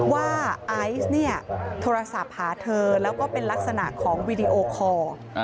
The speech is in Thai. ว่าไอซ์เนี่ยโทรศัพท์หาเธอแล้วก็เป็นลักษณะของวีดีโอคอร์